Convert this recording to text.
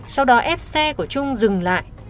sau đó ép xe của trung dừng lại